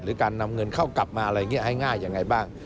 การนำเงินเข้ากลับมาอะไรอย่างนี้ให้ง่ายยังไงบ้าง